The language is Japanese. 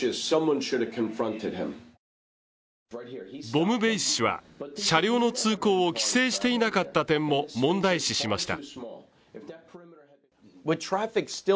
ボムベイス氏は、車両の通行を規制していなかった点も問題視しました。